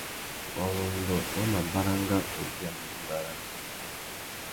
Warrôndô wá mà baranga ubia mbîmbà râā.